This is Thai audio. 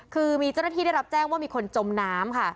คือมีเจ้าหน้าที่ได้รับแจ้งว่ามีคนจมน้ำค่ะ